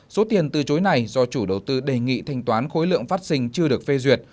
số tiền từ chối này do chủ đầu tư đề nghị thanh toán khối lượng phát sinh chưa được phê duyệt